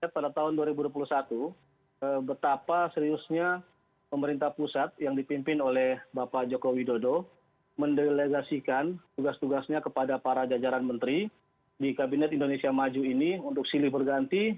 pada tahun dua ribu dua puluh satu betapa seriusnya pemerintah pusat yang dipimpin oleh bapak joko widodo mendelegasikan tugas tugasnya kepada para jajaran menteri di kabinet indonesia maju ini untuk silih berganti